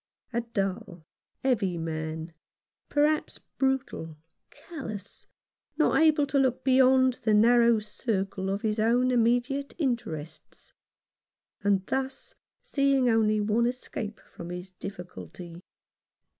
A dull, heavy man, perhaps, brutal, callous, not able to look beyond the narrow circle of his own immediate interests ; and thus seeing only one escape from his difficulty.